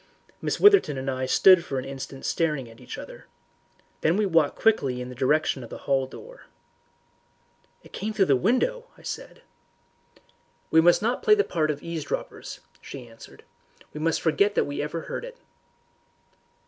Miss Witherton and I stood for an instant staring at each other. Then we walked quickly in the direction of the hall door. "It came through the window," I said. "We must not play the part of eavesdroppers," she answered. "We must forget that we have ever heard it."